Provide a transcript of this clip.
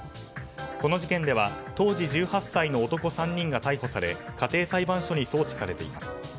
この事件では当時１８歳の男３人が逮捕され家庭裁判所に送致されています。